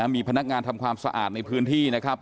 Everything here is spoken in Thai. มีพนักงานทำความสะอาดในพื้นที่นะครับ